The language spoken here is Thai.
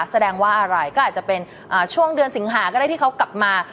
แสดงว่าอะไรก็อาจจะเป็นช่วงเดือนสิงหาก็ได้ที่เขากลับมา